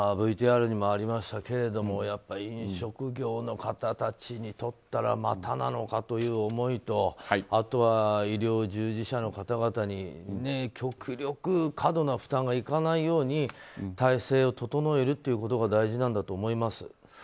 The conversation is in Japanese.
ＶＴＲにもありましたけれども飲食業の方たちにとったらまたなのかという思いとあとは医療従事者の方々に極力過度な負担がいかないように体制を整えるということが大事なんだと思います。